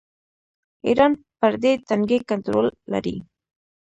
ایران پر دې تنګي کنټرول لري.